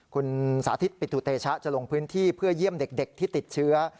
คุณสาธิตปิตุเตชะจะลงพื้นที่เพื่อเยี่ยมเด็กที่ติดเชื้อ